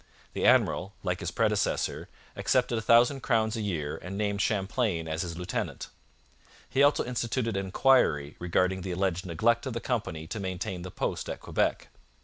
The admiral, like his predecessor, accepted a thousand crowns a year and named Champlain as his lieutenant. He also instituted an inquiry regarding the alleged neglect of the company to maintain the post at Quebec.